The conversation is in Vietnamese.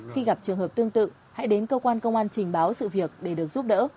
khi gặp trường hợp tương tự hãy đến cơ quan công an trình báo sự việc để được giúp đỡ